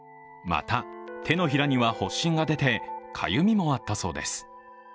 また、手のひらには発疹が出てかゆみもあったそうです。